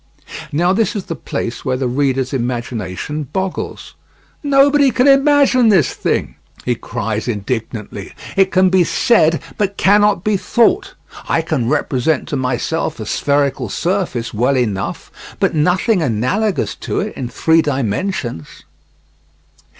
Now this is the place where the reader's imagination boggles. "Nobody can imagine this thing," he cries indignantly. "It can be said, but cannot be thought. I can represent to myself a spherical surface well enough, but nothing analogous to it in three dimensions."